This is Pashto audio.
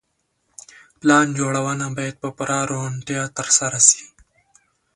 پلان جوړونه بايد په پوره روڼتيا ترسره سي.